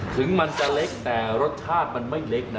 ถึงมันจะเล็กแต่รสชาติมันไม่เล็กนะ